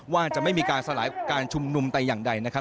ว่าจะไม่มีการสลายการชุมนุมแต่อย่างใดนะครับ